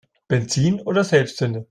Benzin oder Selbstzünder?